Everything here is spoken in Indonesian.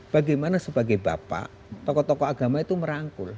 bagaimana sebagai bapak tokoh tokoh agama itu merangkul